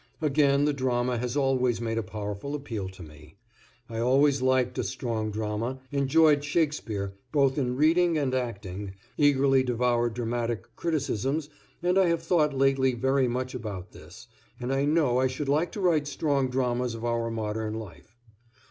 Again, the drama has always made a powerful appeal to me. I always liked a strong drama, enjoyed Shakespeare both in reading and acting, eagerly devoured dramatic criticisms and I have thought lately very much about this, and I know I should like to write strong dramas of our modern life.